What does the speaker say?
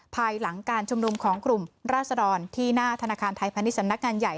ภายหลังการชุมนุมของกลุ่มราศดรที่หน้าธนาคารไทยพาณิชสำนักงานใหญ่